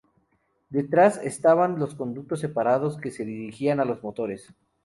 Detrás, estaban los conductos separados que se dirigían a los motores.